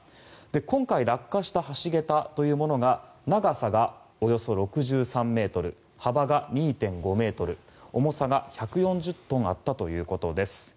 今回、落下した橋桁というものが長さがおよそ６３ｍ幅が２．５ｍ、重さが１４０トンあったということです。